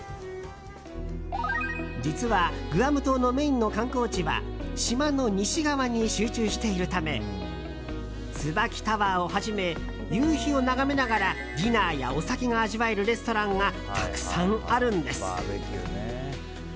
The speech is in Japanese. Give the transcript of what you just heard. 実は、グアム島のメインの観光地は島の西側に集中しているためツバキタワーをはじめ夕日を眺めながらディナーやお酒が味わえるレストランがたくさんあるんです。